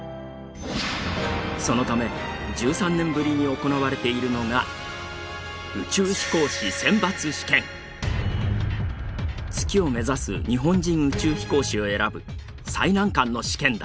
そのため１３年ぶりに行われているのが月を目指す日本人宇宙飛行士を選ぶ最難関の試験だ。